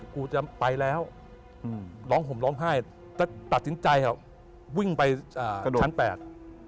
กูจะไปแล้วร้องห่มร้องไห้แต่ตัดสินใจวิ่งไปชั้นแปด